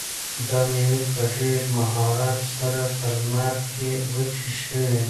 دا مېوې په ډېر مهارت سره په لمر کې وچې شوي.